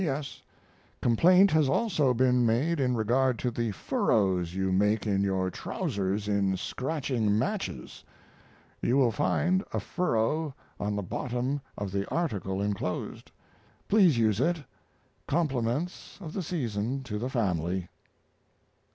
P. S. Complaint has also been made in regard to the furrows you make in your trousers in scratching matches. You will find a furrow on the bottom of the article inclosed. Please use it. Compliments of the season to the family.